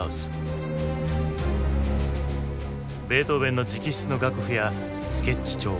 ベートーヴェンの直筆の楽譜やスケッチ帳